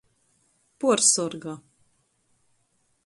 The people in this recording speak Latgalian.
Puorsorga.